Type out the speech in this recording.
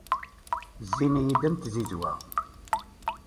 Zzin-iyi-d am tzizwa.